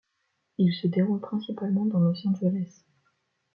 Il se déroule principalement dans Los Angeles.